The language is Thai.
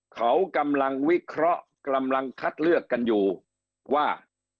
เขากำลังวิเคราะห์กำลังคัดเลือกกันอยู่ว่า